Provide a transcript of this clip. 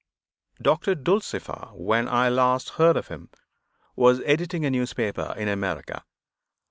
Doctor Dulcifer, when I last heard of him, was editing a newspaper in America.